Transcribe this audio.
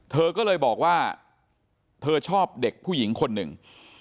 เธอก็เลยบอกว่าเธอชอบเด็กผู้หญิงคนหนึ่ง